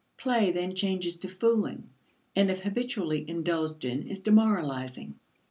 Play then changes to fooling and if habitually indulged in is demoralizing.